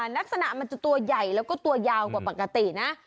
อ๋อนักษณะมันจะตัวย่ายและตัวยาวกว่าปกตินะ